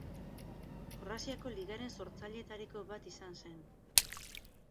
Kroaziako Ligaren sortzaileetariko bat izan zen.